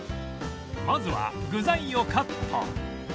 まずは具材をカット